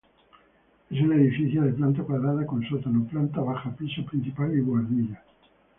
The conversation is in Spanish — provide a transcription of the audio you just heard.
Es un edificio de planta cuadrada con sótano, planta baja, piso principal y buhardillas.